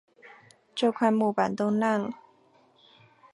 这块木板都烂了